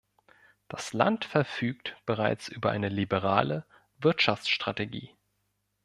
Das Land verfügt bereits über eine liberale Wirtschaftsstrategie.